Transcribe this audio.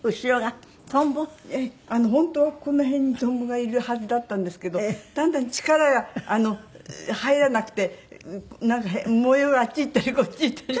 本当はこの辺にトンボがいるはずだったんですけどだんだん力が入らなくてなんか模様があっち行ったりこっち行ったり。